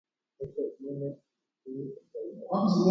Heseʼỹ ndaikatúi jaiko.